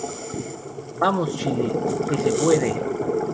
Vamos Chile ¡que se puede!"".